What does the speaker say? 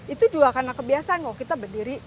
itu juga karena kebiasaan kok kita berdiri